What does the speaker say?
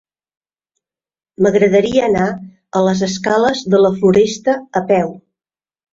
M'agradaria anar a les escales de la Floresta a peu.